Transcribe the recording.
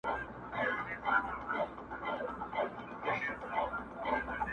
له ګلفامه سره لاس کي ېې جام راوړ,